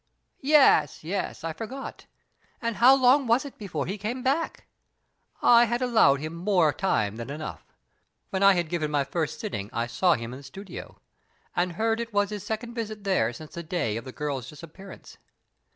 "Yes, yes I forgot. And how long was it before he came back?" "I had allowed him more time than enough. When I had given my first sitting I saw him in the studio, and heard it was his second visit there since the day of the girl's disappearance.